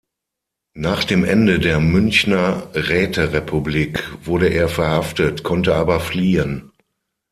Nach dem Ende der Münchner Räterepublik wurde er verhaftet, konnte aber fliehen.